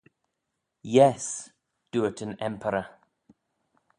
Yess. dooyrt yn Emperor.